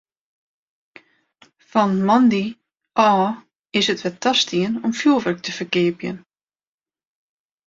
Fan moandei ôf is it wer tastien om fjurwurk te ferkeapjen.